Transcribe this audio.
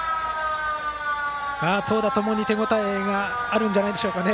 投打ともに手応えがあるんじゃないですかね